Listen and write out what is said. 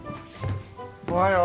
おはよう。